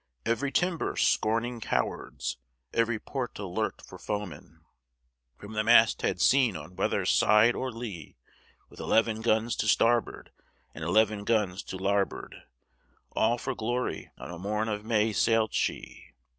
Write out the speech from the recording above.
Every timber scorning cowards; Every port alert for foemen From the masthead seen on weather side or lee; With eleven guns to starboard, And eleven guns to larboard, All for glory on a morn of May sailed she.